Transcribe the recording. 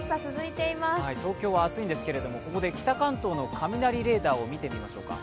東京は暑いんですけれどもここで北関東の雷レーダーを見てみましょうか。